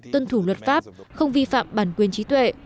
tuân thủ luật pháp không vi phạm bản quyền trí tuệ